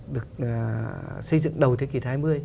được xây dựng đầu thế kỷ hai mươi